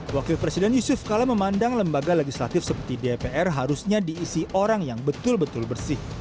wakil presiden yusuf kala memandang lembaga legislatif seperti dpr harusnya diisi orang yang betul betul bersih